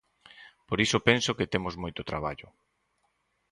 Por iso penso que temos moito traballo.